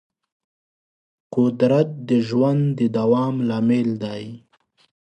قدرت د ژوند د دوام لامل دی.